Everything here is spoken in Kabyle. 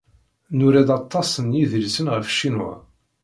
Nura-d aṭas n yidlisen ɣef Ccinwa.